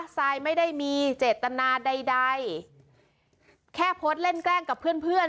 ซายไม่ได้มีเจตนาใดใดแค่โพสต์เล่นแกล้งกับเพื่อนเพื่อน